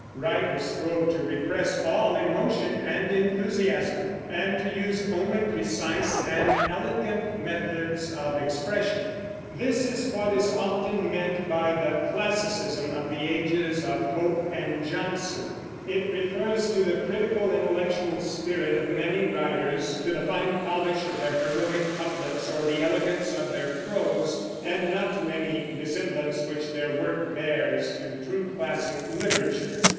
Writers strove to repress all emotion and enthusiasm, and to use only precise and elegant methods of expression. This is what is often meant by the "classicism" of the ages of Pope and Johnson. It refers to the critical, intellectual spirit of many writers, to the fine polish of their heroic couplets or the elegance of their prose, and not to any resemblance which their work bears to true classic literature.